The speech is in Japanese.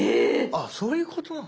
あっそういうことなの？